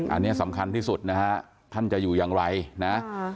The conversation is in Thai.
อันนี้สำคัญที่สุดนะฮะท่านจะอยู่อย่างไรนะ